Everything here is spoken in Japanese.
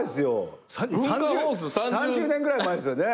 ３０年ぐらい前ですよね。